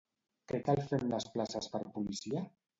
Què cal fer amb les places per policia?